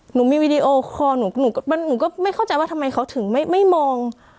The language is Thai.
หนูมีวีดีโอคอร์หนูก็ไม่เข้าใจว่าทำไมเขาถึงไม่มอง